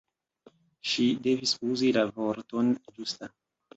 Ŝi devis uzi la vorton ĝusta.